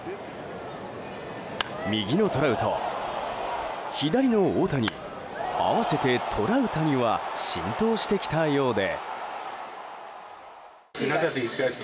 右のトラウト、左の大谷合わせてトラウタニは浸透してきたようで。